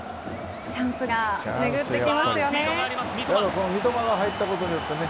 チャンスがめぐってきますよね。